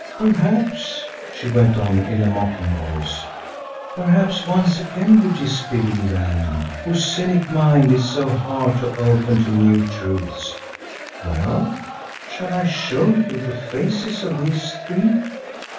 "Perhaps," she went on in a mocking voice, "perhaps once again you disbelieve, Allan, whose cynic mind is so hard to open to new truths. Well, shall I show you the faces of these three?